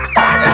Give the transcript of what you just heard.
aduh aduh aduh